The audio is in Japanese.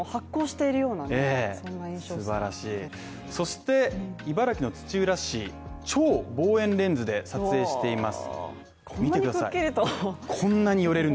そして茨城の土浦市超望遠レンズで撮影しています